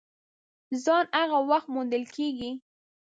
ځان هغه وخت موندل کېږي !